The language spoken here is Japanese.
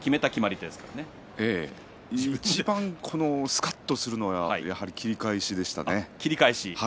いちばんすかっとするのは切り返しでしたね。